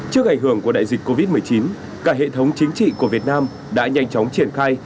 trước ảnh hưởng của đại dịch covid một mươi chín cả hệ thống chính trị của việt nam đã nhanh chóng triển khai